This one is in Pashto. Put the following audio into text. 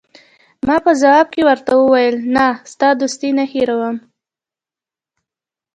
ما په ځواب کې ورته وویل: نه، ستا دوستي نه هیروم.